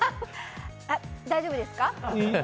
大丈夫ですか？